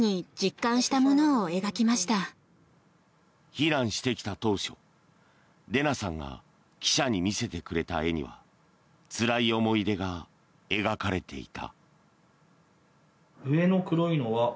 避難してきた当初レナさんが記者に見せてくれた絵にはつらい思い出が描かれていた。